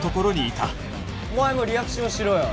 お前もリアクションしろよ